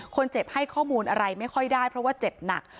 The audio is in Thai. คนเจ็บให้ข้อมูลอะไรไม่ค่อยได้เพราะว่าเจ็บหนัก